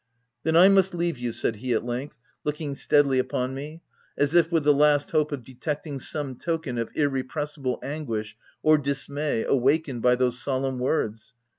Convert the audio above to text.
"Then I must leave you," said he at length looking steadily upon me, as if with the last hope of detecting some token of irrepressible anguish or dismay awakened by those solemn words.